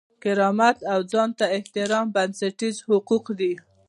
کرامت او ځان ته احترام بنسټیز حقوق دي.